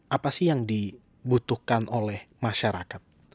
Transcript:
apa sih yang dibutuhkan oleh masyarakat